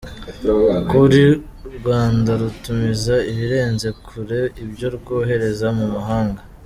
Ko u Rwanda rutumiza ibirenze kure ibyo rwohereza mu mahanga.